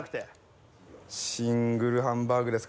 シングルハンバーグですかね。